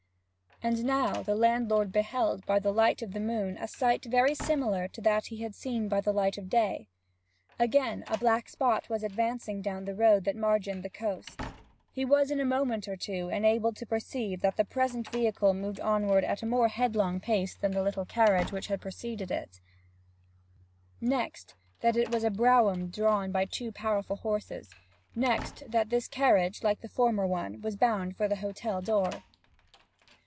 And now the landlord beheld by the light of the moon a sight very similar to that he had seen by the light of day. Again a black spot was advancing down the road that margined the coast. He was in a moment or two enabled to perceive that the present vehicle moved onward at a more headlong pace than the little carriage which had preceded it; next, that it was a brougham drawn by two powerful horses; next, that this carriage, like the former one, was bound for the hotel door.